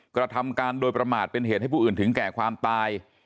กระทำการโดยประมาทเป็นเหตุให้ผู้อื่นถึงแก่ความตาย